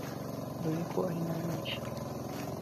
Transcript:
doreko ari na benshi